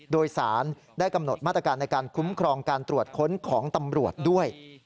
โดยสารได้กำหนดมาตรการในการคุ้มครองการตรวจค้นของตำรวจด้วย